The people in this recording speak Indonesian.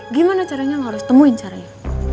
gimana caranya harus temuin caranya